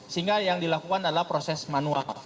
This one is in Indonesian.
sehingga yang dilakukan adalah proses manual